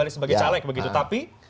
sebagai caleg begitu tapi